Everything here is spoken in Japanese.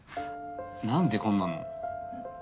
なんでこんなの。